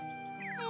え！